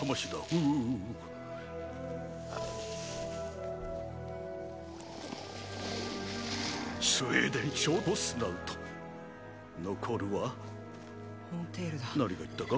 うスウェーデン・ショート−スナウト残るはホーンテイルだ何か言ったか？